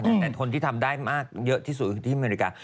แต่คนที่ทำได้มากเยอะที่สุดคือที่อเมริกา